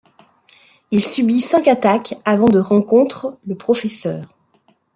Il subit cinq attaques avant de rencontre le professeur.